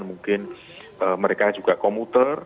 mungkin mereka juga komuter